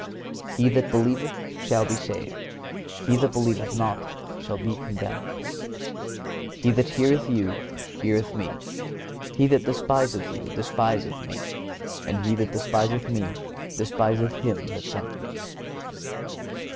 (122) "He that believeth shall be saved; he that believeth not shall be condemned."(123) "He that heareth you heareth Me; he that despiseth you despiseth Me; and he that despiseth Me despiseth Him that sent Me."